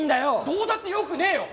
どうだってよくねえよ。